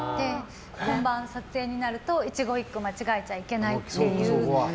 本番、撮影になると一言一句間違えちゃいけないっていう。